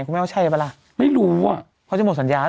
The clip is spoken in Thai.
แม่ว่าใช่ปะล่ะไม่รู้อ่ะเขาจะหมดสัญญา